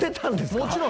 もちろん。